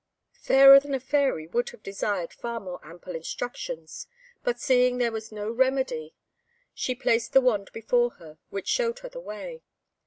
Fairer than a Fairy would have desired far more ample instructions; but seeing there was no remedy, she placed the wand before her, which showed her the way.